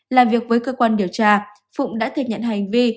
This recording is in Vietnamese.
làm việc với cơ quan điều tra phụng đã thừa nhận hành vi